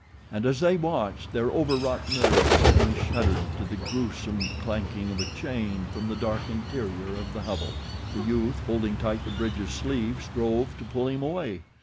And as they watched, their over wrought nerves suddenly shuddered to the grewsome clanking of a chain from the dark interior of the hovel. The youth, holding tight to Bridge's sleeve, strove to pull him away.